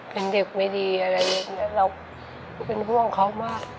เป็นเด็กไม่ดีอะไรอย่างนี้เราเป็นห่วงเขามาก